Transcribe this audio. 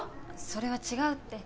それは違うって。